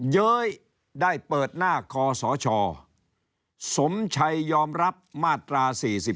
เย้ยได้เปิดหน้าคอสชสมชัยยอมรับมาตรา๔๔